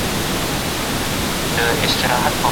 فرد انتقادي روحيه پیدا کوي.